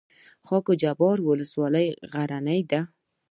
خاک جبار ولسوالۍ غرنۍ ده؟